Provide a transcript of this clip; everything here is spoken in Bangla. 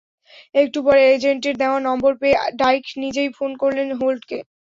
একটু পরে এজেন্টের দেওয়া নম্বর পেয়ে ডাইখ নিজেই ফোন করলেন হোল্টকে।